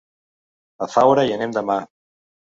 A Faura hi anem demà.